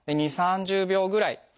２０３０秒ぐらい。